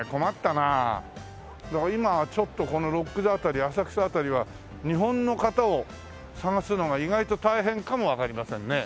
だから今はちょっとこのロック座辺り浅草辺りは日本の方を探すのが意外と大変かもわかりませんね。